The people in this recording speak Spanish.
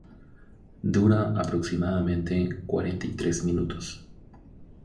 Dura aproximadamente cuarenta y tres minutos.